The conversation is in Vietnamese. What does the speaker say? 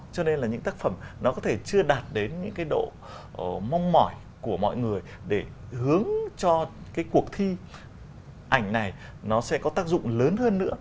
cho nên là những tác phẩm nó có thể chưa đạt đến những cái độ mong mỏi của mọi người để hướng cho cái cuộc thi ảnh này nó sẽ có tác dụng lớn hơn nữa